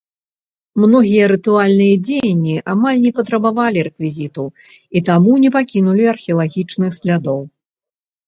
Многія рытуальныя дзеянні амаль не патрабавалі рэквізіту і таму не пакінулі археалагічных слядоў.